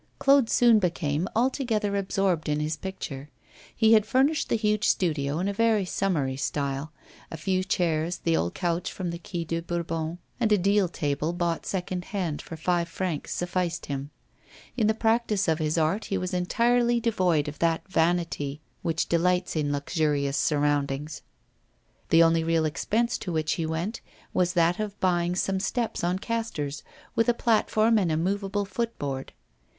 Claude soon became altogether absorbed in his picture. He had furnished the huge studio in a very summary style: a few chairs, the old couch from the Quai de Bourbon, and a deal table bought second hand for five francs sufficed him. In the practice of his art he was entirely devoid of that vanity which delights in luxurious surroundings. The only real expense to which he went was that of buying some steps on castors, with a platform and a movable footboard.